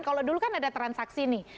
kalau dulu kan ada transaksi nih